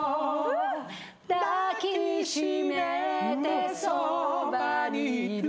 「抱きしめてそばにいる」